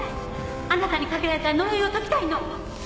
あなたにかけられた呪いを解きたいの。